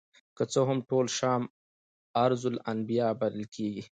که څه هم ټول شام ارض الانبیاء بلل کیږي.